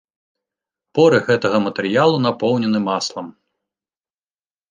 Поры гэтага матэрыялу напоўнены маслам.